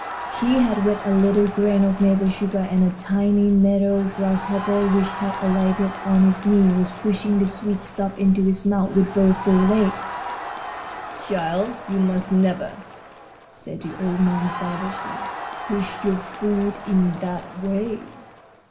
He had wet a little grain of maple sugar, and a tiny meadow grasshopper which had alighted on his knee was pushing the sweet stuff into its mouth with both fore legs. "Child, you must never," said the old man, savagely, "push your food in that way."